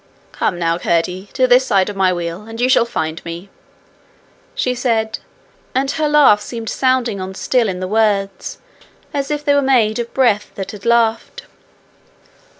'Come now, Curdie, to this side of my wheel, and you will find me,' she said; and her laugh seemed sounding on still in the words, as if they were made of breath that had laughed.